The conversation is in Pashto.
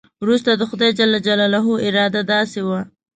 وروسته د خدای جل جلاله اراده داسې وه.